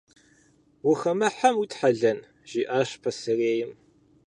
«Ухэмыхьэм уитхьэлэн?» – жиӏащ пасарейм.